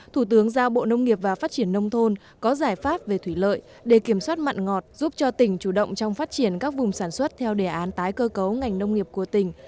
thủ tướng giao bộ nông nghiệp và phát triển nông thôn có giải pháp về thủy lợi để kiểm soát mặn ngọt giúp cho tỉnh chủ động trong phát triển các vùng sản xuất theo đề án tái cơ cấu ngành nông nghiệp của tỉnh